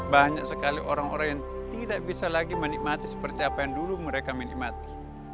banyak sekali orang orang yang tidak bisa lagi menikmati seperti apa yang dulu mereka menikmati